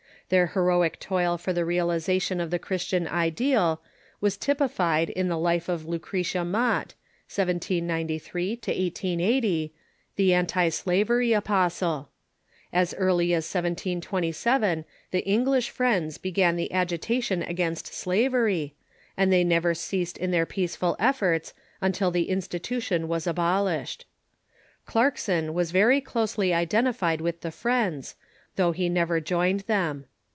Their heroic toil for the realization of the Christian ideal was typified in the life of Lu cretia Mott (1793 1880), the anti slavery apostle. As early as 1727 the English Friends began the agitation against slaveiy, and they never ceased in their peaceful efforts until the institu tion was abolished. Clarkson was very closely identified with the Friends, though he never joined them.